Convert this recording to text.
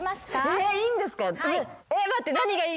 えっいいんですか？